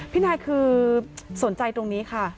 พี่นายคือสนใจตรงนี้ค่ะ